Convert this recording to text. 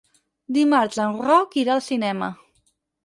Dimarts en Roc irà al cinema.